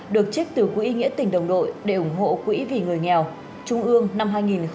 được trích từ quỹ nghĩa tỉnh đồng đội để ủng hộ quỹ vì người nghèo trung ương năm hai nghìn một mươi chín